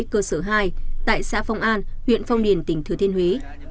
cơ sở hai tại xã phong an huyện phong điền tỉnh thừa thiên huế